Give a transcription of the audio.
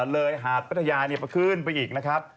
หาดพัทยาไปขึ้นไปอีกนะครับ